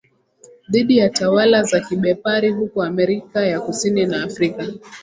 Dhidi ya tawala za kibepari huko Amerika ya Kusini na Afrika